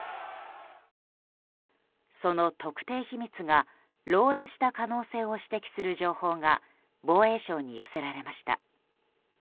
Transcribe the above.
その特定秘密が漏洩した可能性を指摘する情報が防衛省に寄せられました。